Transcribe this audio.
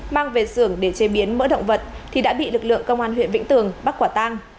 mang về xưởng để chế biến mỡ động vật thì đã bị lực lượng công an huyện vĩnh tường bắt quả tang